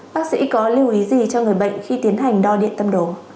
bác sĩ có lưu ý gì cho người bệnh khi tiến hành đo điện tâm đồ